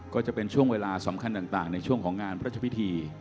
ก็จะเป็นช่วงเวลาสำคัญต่างในช่วงของงานพระเจ้าพิธี